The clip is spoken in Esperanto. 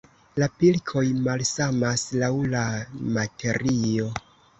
La pilkoj malsamas laŭ la materio.